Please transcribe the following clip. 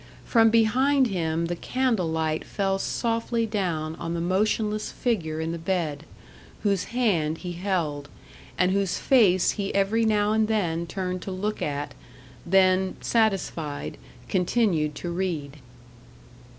From behind him the candle light fell softly down on the motionless figure in the bed, whose hand he held, and whose face he every now and then turned to look at then, satisfied, continued to read.